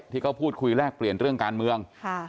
ที่เขาพูดคุยแลกเปลี่ยนเรื่องการเมือง